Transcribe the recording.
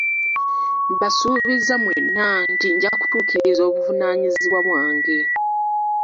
Mbasuubiza mwenna nti njakutuukiriza obuvunanyizibwa bwange.